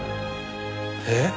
えっ。